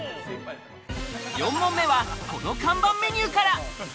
４問目はこの看板メニューから。